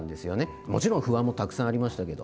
もちろん不安もたくさんありましたけど。